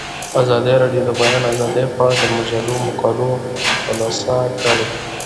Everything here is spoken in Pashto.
ازادي راډیو د د بیان آزادي په اړه د مجلو مقالو خلاصه کړې.